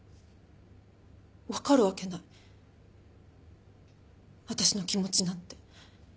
わかるわけない私の気持ちなんて。